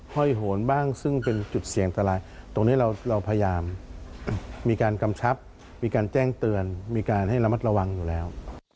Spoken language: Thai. ห้อยโหนบ้างซึ่งเป็นจุดเสี่ยงตายตรงนี้เราพยายามมีการกำชับมีการแจ้งเตือนมีการให้ระมัดระวังอยู่แล้ว